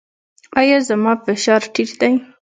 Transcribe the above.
ایا زما فشار ټیټ دی؟